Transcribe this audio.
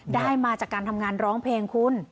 ได้มาจากการทำงานร้องเพลงคุณ